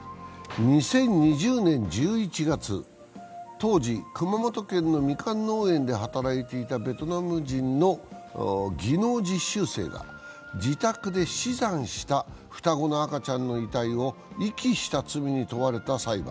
２０２０年１１月、当時、熊本県のみかん農園で働いていたベトナム人の技能実習生が、自宅で死産した双子の赤ちゃんの遺体を遺棄した罪に問われた裁判。